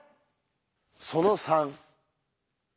その３。